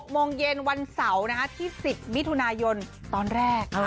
โมงเย็นวันเสาร์ที่๑๐มิถุนายนตอนแรก